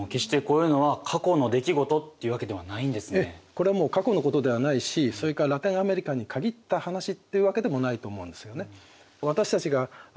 これは過去のことではないしそれからラテンアメリカに限った話っていうわけでもないと思うんですよね。